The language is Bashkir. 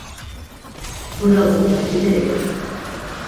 Күҙ алдығыҙға килтерегеҙ!